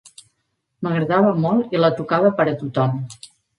M'agradava molt i la tocava per a tothom.